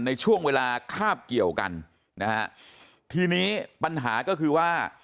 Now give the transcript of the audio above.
ในช่วงเวลาคาบเกี่ยวกันนะฮะทีนี้ปัญหาก็คือว่า